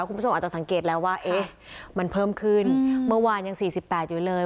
คุณผู้ชมอาจจะสังเกตแล้วว่าเอ๊ะมันเพิ่มขึ้นเมื่อวานยัง๔๘อยู่เลย